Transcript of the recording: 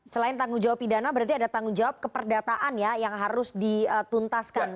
selain tanggung jawab pidana berarti ada tanggung jawab keperdataan ya yang harus dituntaskan